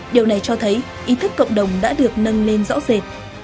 điều này cho thấy ý thức cộng đồng đã được nâng lên rõ rệt